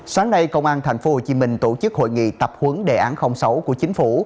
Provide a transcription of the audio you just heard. sáng nay công an thành phố hồ chí minh tổ chức hội nghị tập huấn đề án sáu của chính phủ